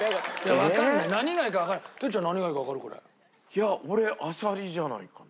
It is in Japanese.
いや俺アサリじゃないかな？